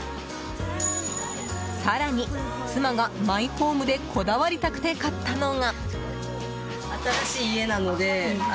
更に、妻がマイホームでこだわりたくて買ったのが。